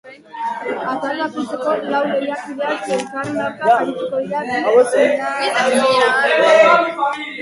Atal bakoitzeko lau lehiakideak elkarren aurka arituko dira bi finalerdietan.